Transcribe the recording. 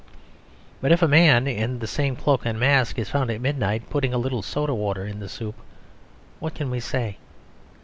But if a man in the same cloak and mask is found at midnight putting a little soda water in the soup, what can we say?